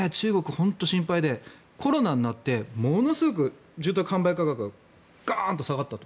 本当に心配でコロナになってものすごく住宅販売価格がガーンと下がったと。